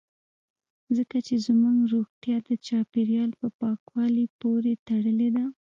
ځکه چې زموږ روغتیا د چاپیریال په پاکوالي پورې تړلې ده